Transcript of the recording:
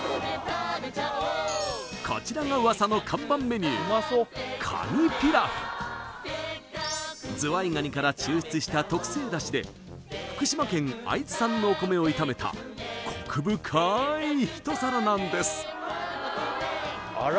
こちらが噂の看板メニューカニピラフズワイガニから抽出した特性出汁で福島県会津産のお米を炒めたコク深い一皿なんですあら